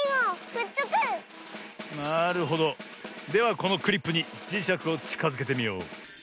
このクリップにじしゃくをちかづけてみよう。